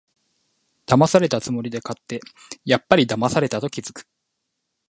だまされたつもりで買って、やっぱりだまされたと気づく